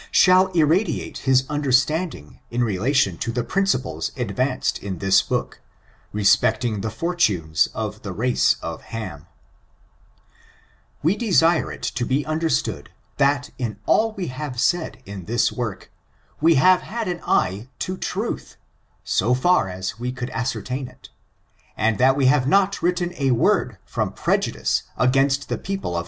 m shall irradiate his understanding in relation to the | principles advanced in this book, respecting the for times of the race of Ham. We desire it to ]:k3 understood, that in all we have said in this work, we have had an eye to tniih^ so far as we could ascertain it, and that we have not written a word from prejudice against the people of ^^^^^^^^ 0^01^^^^^ ^M^U^iM^k^^^^k^ FORTUNES, OF THE NEGRO RACE.